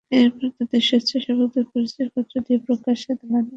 এরপর তাঁদের স্বেচ্ছাসেবকের পরিচয়পত্র দিয়ে প্রকাশ্যে দালালির সুযোগ করে দিতে হচ্ছে।